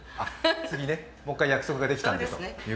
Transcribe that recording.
次ね、もう１回約束できたので。